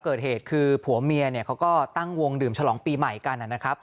เกิดเหตุคือผัวเมียเนี่ยเขาก็ตั้งวงดื่มฉลองปีใหม่กันนะครับ